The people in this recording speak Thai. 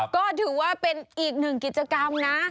ก็ถือว่าเป็นอีกหนึ่งกิจกรรมนะ